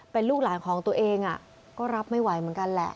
เป็นลูกหลานของตัวเองก็รับไม่ไหวเหมือนกันแหละ